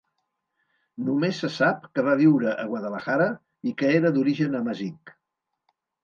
Només se'n sap que va viure a Guadalajara i que era d'origen amazic.